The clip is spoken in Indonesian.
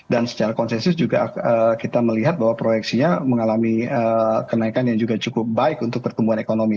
dan secara konsensus juga kita melihat bahwa proyeksinya mengalami kenaikan yang juga cukup baik untuk pertumbuhan ekonomi